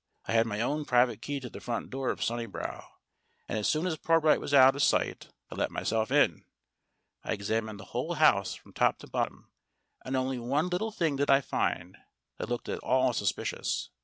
I had my own private key to the front door of Sunnibrow; and as soon as Pirbright was out of sight, I let myself in. I examined the whole house from top to bottom, and only one little thing did I find that looked at all suspicious.